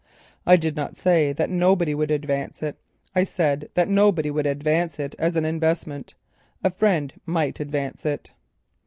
"I did not say that nobody will advance it; I said that nobody would advance it as an investment—a friend might advance it."